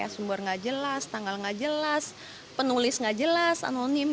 sumber tidak jelas tanggal tidak jelas penulis tidak jelas anonim